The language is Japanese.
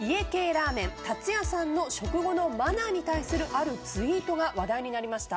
ラーメンかつ家さんの食後のマナーに対するあるツイートが話題になりました。